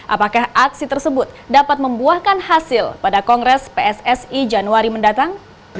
apakah aksi tersebut dapat membuahkan hasil pada kongres pssi januari mendatang